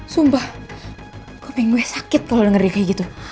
sumpah kok ping gue sakit kalo denger dia kayak gitu